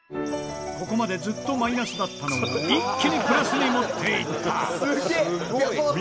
ここまでずっとマイナスだったのを一気にプラスに持っていった。